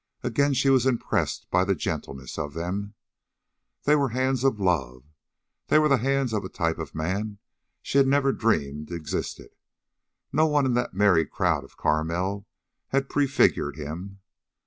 Again she was impressed by the gentleness of them. They were hands of love. They were the hands of a type of man she had never dreamed existed. No one in that merry crowd of Carmel had prefigured him.